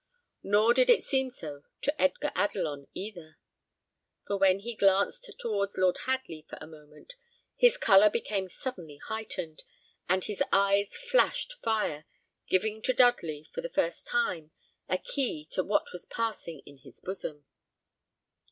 Nor did it seem so to Edgar Adelon either; for when he glanced towards Lord Hadley for a moment, his colour became suddenly heightened, and his eyes flashed fire, giving to Dudley, for the first time, a key to what was passing in his bosom.